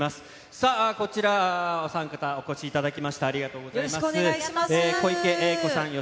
さあ、こちら、お３方、お越しいただきました。